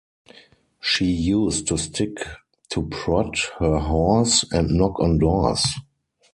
She used a stick to prod her horse and knock on doors.